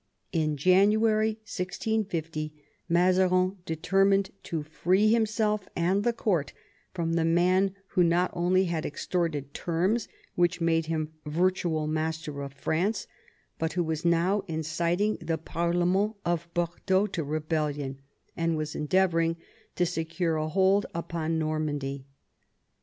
In January 1650 Mazarin deter mined to free himself and the court from the man who not only had extorted terms which made him virtual master of France, but who was now inciting the parlement of Bordeaux to rebellion, and was endeavour ing to secure a hold upon Normandy.